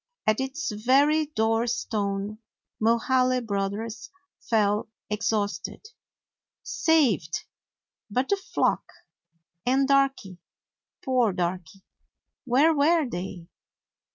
At its very door stone Mulhaly Brothers fell exhausted. Saved! But the flock, and Darky — poor Darky — where were they?